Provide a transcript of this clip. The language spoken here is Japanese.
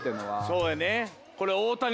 そうやね。